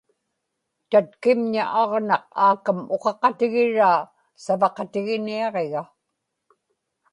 tatkimña aġnaq aakam uqaqatigiraa savaqatiginiaġiga